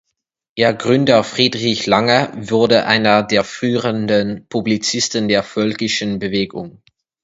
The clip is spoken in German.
Ihr Gründer Friedrich Lange wurde einer der führenden Publizisten der völkischen Bewegung.